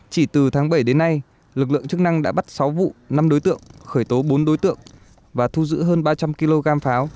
chỉ từ tháng bảy đến nay lực lượng chức năng đã bắt sáu vụ năm đối tượng khởi tố bốn đối tượng và thu giữ hơn ba trăm linh kg pháo